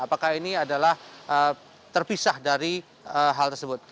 apakah ini adalah terpisah dari hal tersebut